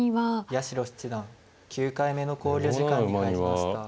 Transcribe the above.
八代七段９回目の考慮時間に入りました。